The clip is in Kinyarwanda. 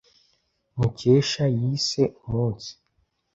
Mukesha yise umunsi.